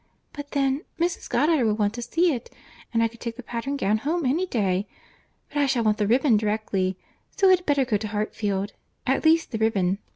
But then, Mrs. Goddard will want to see it.—And I could take the pattern gown home any day. But I shall want the ribbon directly—so it had better go to Hartfield—at least the ribbon.